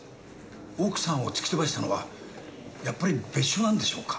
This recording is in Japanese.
奥さんを突き飛ばしたのはやっぱり別所なんでしょうか？